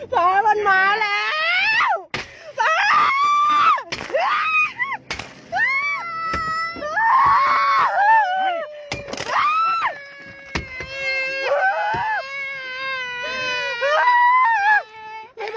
พอมันมาแล้ว